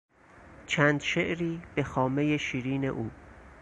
چند شعری به خامهی شیرین او